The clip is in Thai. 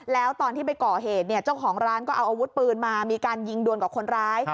แล้วตอนที่ไปก่อเหตุเนี่ยเจ้าของร้านก็เอาอาวุธปืนมามีการยิงดวนกับคนร้าย